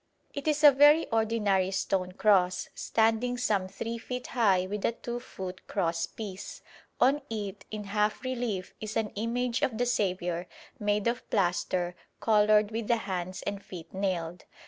It is a very ordinary stone cross, standing some three feet high with a two foot cross piece. On it, in half relief, is an image of the Saviour, made of plaster, coloured, with the hands and feet nailed.